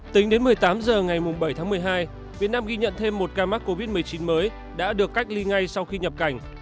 tính đến một mươi tám h ngày bảy tháng một mươi hai việt nam ghi nhận thêm một ca mắc covid một mươi chín mới đã được cách ly ngay sau khi nhập cảnh